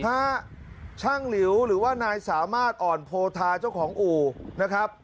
ฮะช่างหลิวหรือว่านายสามารถอ่อนโพธาเจ้าของอู่นะครับ